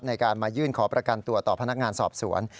ในการมายื่นขอประกันตัวต่อพนักงานสอบสวน